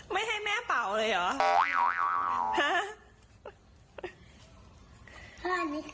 ไม่ให้แม่เป่าเลยเหรอ